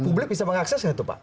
publik bisa mengaksesnya itu pak